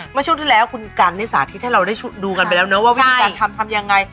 เมื่อช่วงที่แล้วคุณกันนี่สาธิตให้เราได้ดูกันไปแล้วนะว่าวิธีการทำทำยังไง